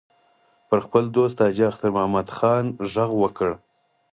پر خپل دوست حاجي اختر محمد خان غږ وکړ.